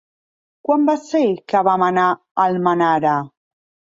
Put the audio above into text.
Quan va ser que vam anar a Almenara?